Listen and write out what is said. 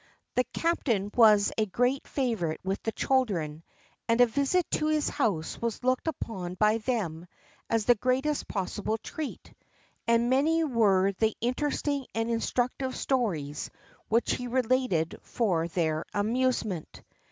The captain was a great favourite with the children, and a visit to his house was looked upon by them as the greatest possible treat, and many were the interesting and instructive stories which he related for their amusement.